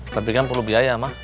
tapi kan perlu biaya mah